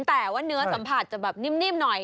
แต่ว่าเนื้อสัมผัสจะแบบนิ่มหน่อย